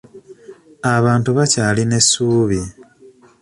Abantu bakyalina essuubi.